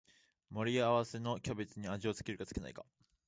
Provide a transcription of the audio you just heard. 付け合わせのキャベツに味を付けるか付けないか